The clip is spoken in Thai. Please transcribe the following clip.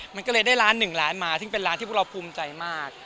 มันก็เลยได้ร้านหนึ่งล้านมาซึ่งเป็นร้านที่พวกเราภูมิใจมาก